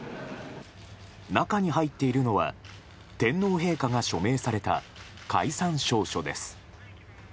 中に入っているのは天皇陛下が署名された解散詔書です。